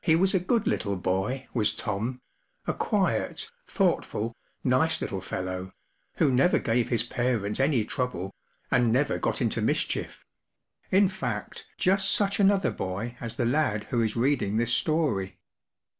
E was a good little boy, was Torn, a quiet, thoughtful, nice little fellow, who never gave his parents any trouble, and never got into mischief; in fact, just such another boy as the lad who is reading this story.